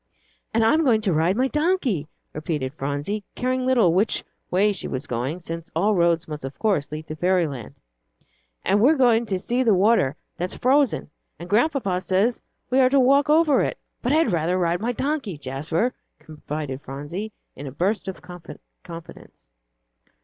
"And I'm going to ride my donkey," repeated Phronsie, caring little which way she was going, since all roads must of course lead to fairy land, "and we're going to see the water that's frozen, and Grandpapa says we are to walk over it; but I'd rather ride my donkey, Jasper," confided Phronsie, in a burst of confidence.